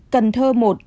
cần thơ một